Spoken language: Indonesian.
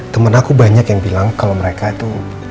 temen aku banyak yang bilang kalau mereka itu